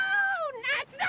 なつだ！